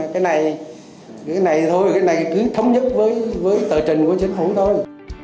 cái này thôi cái này cứ thống nhất với tờ trình của chính phủ thôi